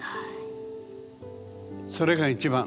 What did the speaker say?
それが一番。